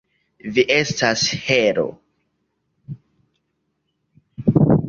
Vi estas heroo!